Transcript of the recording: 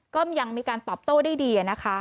ก็ยังมีการตอบโต้ได้ดีนะคะ